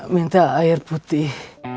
minta air putih